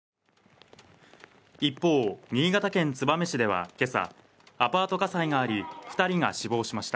一方、新潟県燕市では今朝、アパート火災があり、２人が死亡しました。